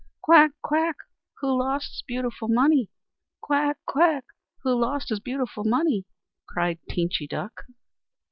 "Quack! quack! Who lost his beautiful money? Quack! quack! Who lost his beautiful money?" cried Teenchy Duck.